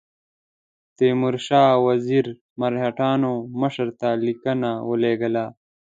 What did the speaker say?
تیمورشاه وزیر مرهټیانو مشر ته لیکونه ولېږل.